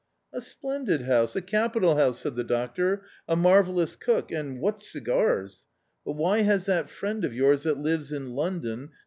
" A splendid house, a capital house," said the doctor; " a marvellous cook, and what cigars ! But why has that friend of yours that lives in London